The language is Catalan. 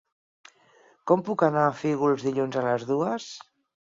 Com puc anar a Fígols dilluns a les dues?